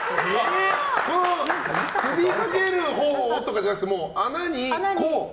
首にかけるほうとかじゃなくて穴にこう？